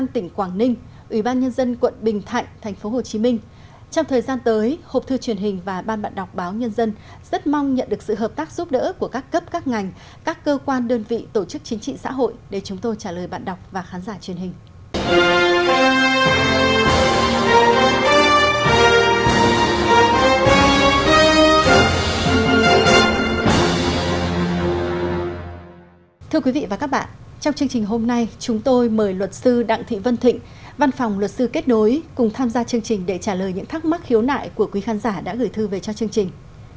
thưa quý vị và các bạn trong chương trình hôm nay chúng tôi mời luật sư đặng thị vân thịnh văn phòng luật sư kết đối cùng tham gia chương trình để trả lời những thắc mắc hiếu nại của quý khán giả đã gửi thư về cho chương trình